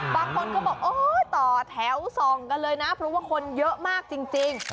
บางคนก็บอกต่อแถวส่องกันเลยนะเพราะว่าคนเยอะมากจริง